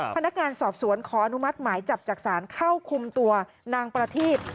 พนักงานสอบสวนขออนุมัติหมายจับจากศาลเข้าคุมตัวนางประทีพ